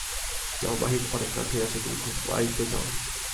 যাও মহিন, অনেক রাত হইয়াছে, তুমি ঘুমাইতে যাও।